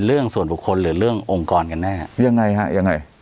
เรื่องส่วนบุคคลหรือเรื่ององค์กรกันแน่ยังไงฮะยังไง